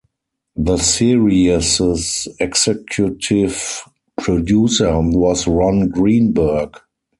The series' executive producer was Ron Greenberg.